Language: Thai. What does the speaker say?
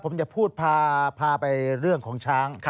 ผมจะพูดพาไปเรื่องของช้าง